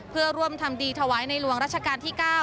เพื่อร่วมทำดีถวายในหลวงรัชกาลที่๙